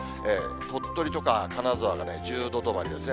鳥取とか金沢が１０度止まりですね。